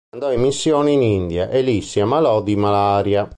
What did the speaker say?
Andò in missione in India e lì si ammalò di malaria.